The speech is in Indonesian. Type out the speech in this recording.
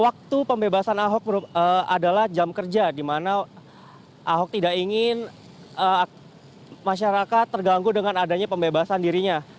waktu pembebasan ahok adalah jam kerja di mana ahok tidak ingin masyarakat terganggu dengan adanya pembebasan dirinya